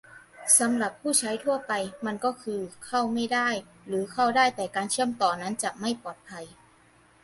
สำหรับผู้ใช้ทั่วไปมันก็คือ "เข้าไม่ได้" หรือเข้าได้แต่การเชื่อมต่อนั้นจะไม่ปลอดภัย